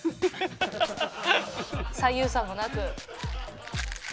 左右差もなく。